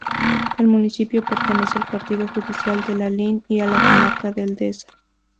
El municipio pertenece al partido judicial de Lalín y a la comarca del Deza.